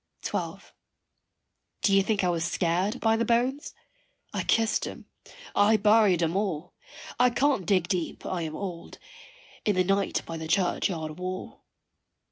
XII. Do you think I was scared by the bones? I kissed 'em, I buried 'em all I can't dig deep, I am old in the night by the churchyard wall.